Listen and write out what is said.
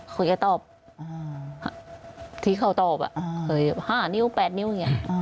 เขาจะตอบที่เขาตอบเคย๕นิ้ว๘นิ้วอย่างนี้